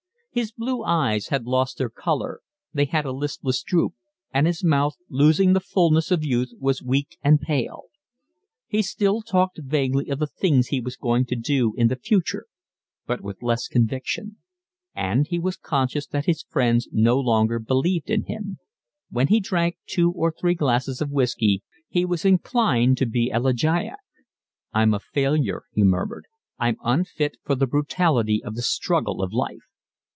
His blue eyes had lost their colour; they had a listless droop; and his mouth, losing the fulness of youth, was weak and pale. He still talked vaguely of the things he was going to do in the future, but with less conviction; and he was conscious that his friends no longer believed in him: when he had drank two or three glasses of whiskey he was inclined to be elegiac. "I'm a failure," he murmured, "I'm unfit for the brutality of the struggle of life.